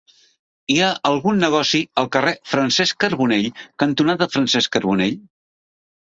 Hi ha algun negoci al carrer Francesc Carbonell cantonada Francesc Carbonell?